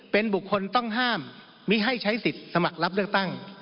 เป็นบุคคลต้องห้ามมิให้ใช้สิทธิ์สมัครรับเลือกตั้ง